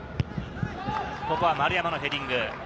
ここは丸山のヘディング。